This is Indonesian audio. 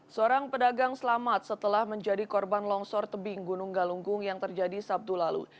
seorang pedagang selamat setelah menjadi korban longsor tebing gunung galunggung yang terjadi sabtu lalu